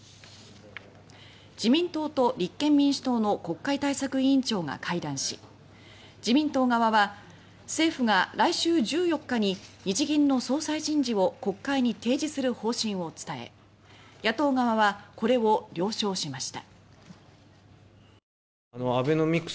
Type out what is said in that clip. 自民党と立憲民主党の国会対策委員長が会談し自民党側は政府が来週１４日に日銀の総裁人事を国会に提示する方針を伝え野党側はこれを了承しました。